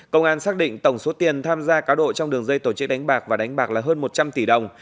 công an xác định tổng số tiền tham gia cáo độ trong đường dây tổ chức đánh bạc và đánh bạc là hơn một trăm linh tỷ đồng